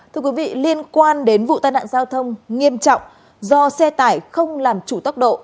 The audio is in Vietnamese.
thưa quý vị liên quan đến vụ tai nạn giao thông nghiêm trọng do xe tải không làm chủ tốc độ